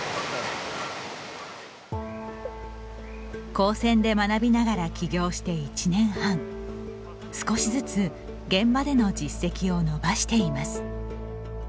高専で学びながら起業して１年半少しずつ現場での実績を伸ばしています。